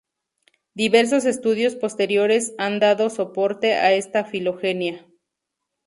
Diversos estudios posteriores han dado soporte a esta filogenia.